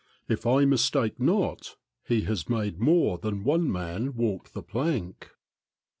If I mistake not, he has made more than one man walk the plank."